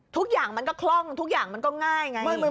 ทุกอย่างมันก็คล่องทุกอย่างมันก็ง่ายไง